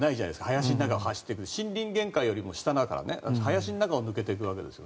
林の中を走っていく森林限界よりも下だから林の中を抜けていくわけです。